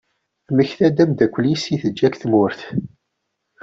Temmekta-d ameddakel-is i teǧǧa deg tmurt.